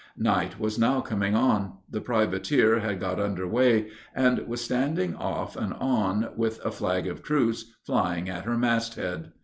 Night was now coming on; the privateer had got under weigh, and was standing off and on, with a flag of truce flying at her mast head.